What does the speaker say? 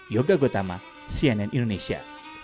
yoga gotama cnn indonesia